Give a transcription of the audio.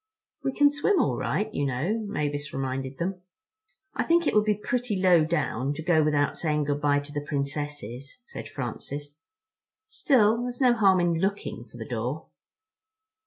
"We can swim all right, you know," Mavis reminded them. "I think it would be pretty low down to go without saying good bye to the Princesses," said Francis. "Still, there's no harm in looking for the door."